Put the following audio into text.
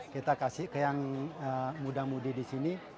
kita kasih ke yang muda mudi disini